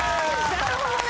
なるほどね。